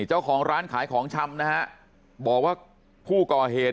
เจ้าของร้านขายของชำนะฮะบอกว่าผู้ก่อเหตุ